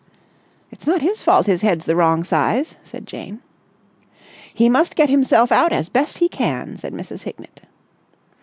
"It's not his fault his head's the wrong size," said Jane. "He must get himself out as best he can," said Mrs. Hignett.